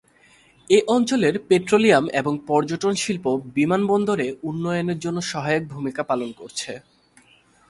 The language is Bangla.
এ অঞ্চলের পেট্রোলিয়াম এবং পর্যটন শিল্প বিমানবন্দরে উন্নয়নের জন্য সহায়ক ভূমিকা পালন করেছে।